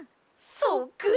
そっくり！